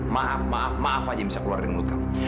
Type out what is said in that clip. maaf maaf maaf aja bisa keluar dari mulut kerumu